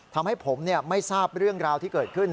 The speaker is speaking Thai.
ทำให้ผมไม่ทราบเรื่องราวที่เกิดขึ้น